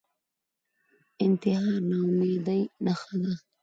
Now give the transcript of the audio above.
انتحار ناامیدۍ نښه ده